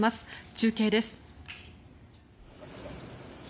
中継です。